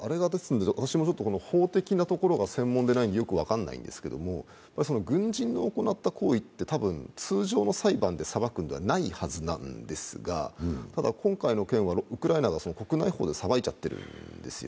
私も法的なところは専門でないのでよく分からないのですけれども、軍人が行った行為って通常の裁判で裁くのではないはずなんですが、ただ今回の件はウクライナが国内法で裁いちゃってる。